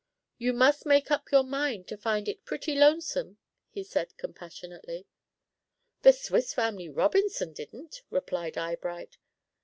"You must make up your mind to find it pretty lonesome," he said, compassionately. "The Swiss Family Robinson didn't," replied Eyebright.